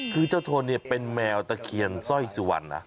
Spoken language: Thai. คือเจ้าโทนเป็นแมวตะเคียนซ่อยสุวรรณ